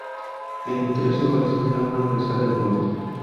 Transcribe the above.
En tres ocasions l'han amenaçat de mort.